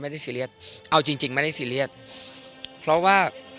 ซีเรียสเอาจริงจริงไม่ได้ซีเรียสเพราะว่า